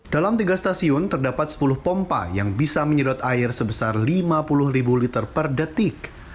dalam tiga stasiun terdapat sepuluh pompa yang bisa menyedot air sebesar lima puluh ribu liter per detik